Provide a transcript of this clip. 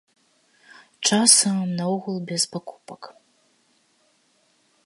Часам наогул без пакупак.